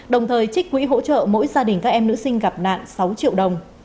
đồng thời trích quỹ hỗ trợ mỗi gia đình các em nữ sinh gặp nạn sáu triệu đồng